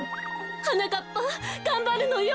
はなかっぱがんばるのよ。